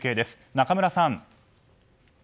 中村さん。